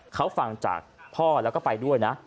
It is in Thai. เขาฟังจากพ่อแล้วก็ไปด้วยนะ